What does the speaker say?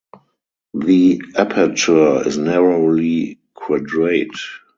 The aperture is narrowly quadrate.